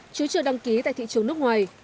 chú chưa đăng ký tại thị trường nước ngoài